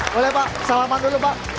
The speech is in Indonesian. boleh pak selamat dulu pak